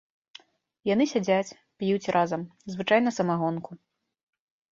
Яны сядзяць, п'юць разам, звычайна самагонку.